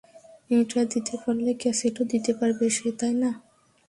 এটা দিতে পারলে ক্যাসেটও দিতে পারবে সে, তাই না?